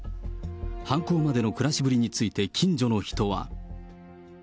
犯行までの暮らしぶりについて近所の人は。